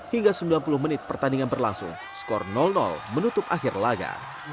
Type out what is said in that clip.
hingga sembilan puluh menit pertandingan berlangsung skor menutup akhir laga